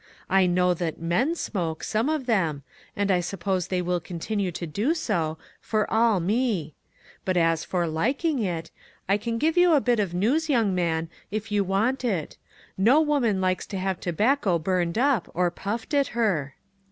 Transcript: I know that men smoke, some of them, and I suppose they will continue to do so, for all me ;. but as for liking it, I can give you a bit of news young man, if you want it. No woman likes to have tobacco burned up, and puffed at her."